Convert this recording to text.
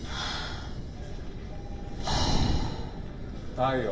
太陽。